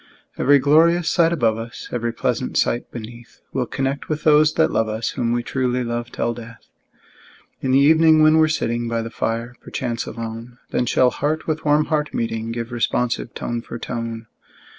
Every glorious sight above us, Every pleasant sight beneath, We'll connect with those that love us, Whom we truly love till death! In the evening, when we're sitting By the fire, perchance alone, Then shall heart with warm heart meeting, Give responsive tone for tone.